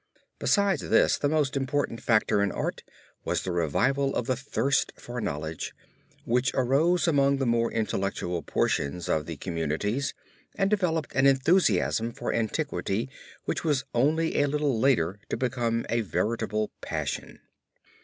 Besides this the most important factor in art was the revival of the thirst for knowledge, which arose among the more intellectual portions of the communities and developed an enthusiasm for antiquity which was only a little later to become a veritable passion.